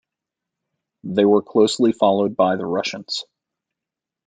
They were closely followed by the Russians.